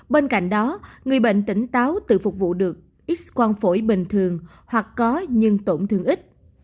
bên cạnh đó người bệnh tỉnh táo tự phục vụ được ít quan phổi bình thường hoặc có nhưng tổn thương ít